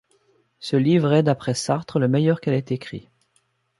Ce livre est, d'après Sartre, le meilleur qu'elle ait écrit.